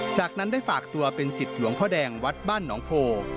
จากนั้นได้ฝากตัวเป็นสิทธิ์หลวงพ่อแดงวัดบ้านหนองโพ